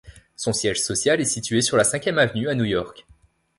Son siège social est situé sur la Cinquième Avenue à New York.